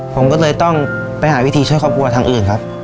ผมก็เลยต้องไปหาวิธีช่วยครอบครัวทางอื่นครับ